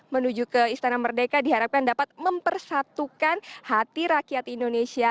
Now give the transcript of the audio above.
menuju ke istana merdeka diharapkan dapat mempersatukan hati